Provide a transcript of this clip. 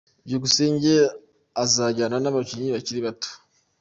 Byukusenge azajyana n’abakinnyi bakiri bato